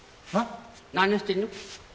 何してんの？